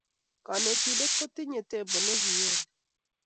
Kanetindet kotindoi tembo nekioni